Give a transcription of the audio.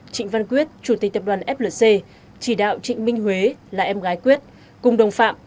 trịnh văn quyết chủ tịch tập đoàn flc chỉ đạo trịnh minh huế là em gái quyết cùng đồng phạm